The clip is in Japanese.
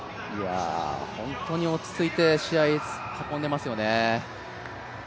本当に落ち着いて、試合を運んでいますよね。